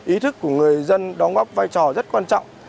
ý thức của người dân đóng góp vai trò rất quan trọng